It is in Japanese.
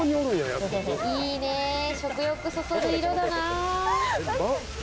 いいね、食欲そそる色だなぁ。